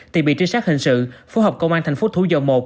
tìm bị trinh sát hình sự phố học công an tp thủ dầu một